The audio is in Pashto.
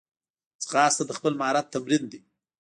ځغاسته د خپل مهارت تمرین دی